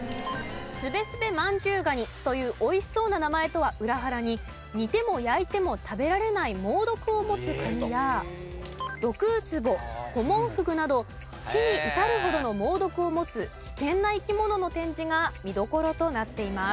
スベスベマンジュウガニという美味しそうな名前とは裏腹に煮ても焼いても食べられない猛毒を持つカニやドクウツボコモンフグなど死に至るほどの猛毒を持つ危険な生き物の展示が見どころとなっています。